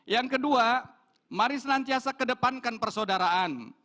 yang kedua mari senantiasa kedepankan persaudaraan